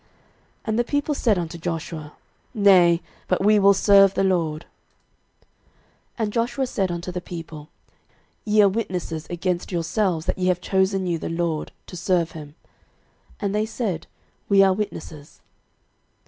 06:024:021 And the people said unto Joshua, Nay; but we will serve the LORD. 06:024:022 And Joshua said unto the people, Ye are witnesses against yourselves that ye have chosen you the LORD, to serve him. And they said, We are witnesses.